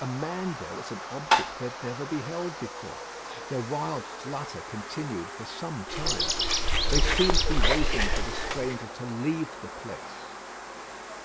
A man there was an object they had never beheld before. Their wild flutter continued for some time. They seemed to be waiting for the stranger to leave the place.